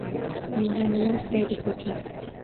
Mendan nima istaydi bu tun?